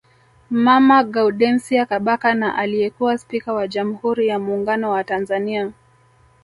Mama Gaudensia Kabaka na aliyekuwa spika wa jamhuri ya Muungano wa Tanzania